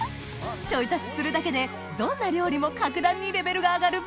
ちょい足しするだけでどんな料理も格段にレベルが上がる